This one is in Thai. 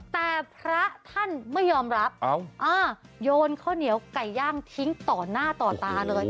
แต่พระท่านไม่ยอมรับโยนข้าวเหนียวไก่ย่างทิ้งต่อหน้าต่อตาเลย